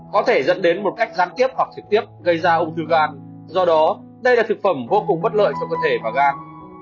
có thể dẫn đến một cách gián tiếp hoặc trực tiếp gây ra ung thư gan do đó đây là thực phẩm vô cùng bất lợi trong cơ thể và gan